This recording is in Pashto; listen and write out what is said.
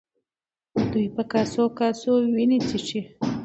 دوی په کاسو کاسو وینې څښي.